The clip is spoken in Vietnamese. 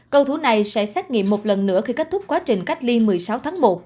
cầu thủ này sẽ xét nghiệm một lần nữa khi kết thúc quá trình cách ly một mươi sáu tháng một